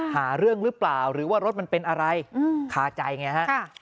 หาเรื่องหรือเปล่าหรือว่ารถมันเป็นอะไรคาใจไงฮะ